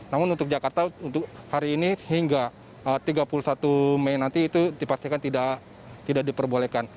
namun untuk jakarta untuk hari ini hingga tiga puluh satu mei nanti itu dipastikan tidak diperbolehkan